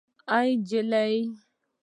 اي نجلۍ